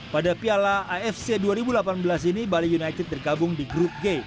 pada piala afc dua ribu delapan belas ini bali united tergabung di grup g